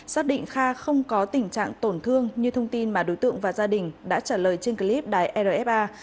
xác định kha không có tình trạng tổn thương như thông tin mà đối tượng và gia đình đã trả lời trên clip đài rfa